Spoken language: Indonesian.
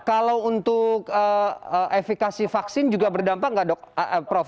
kalau untuk efekasi vaksin juga berdampak nggak dok prof